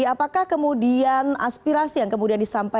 apakah kemudian aspirasi yang kemudian disampaikan